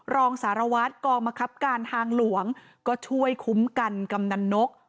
รองสารวัตรกองมะครับการทางหลวงก็ช่วยคุ้มกันกำนันนก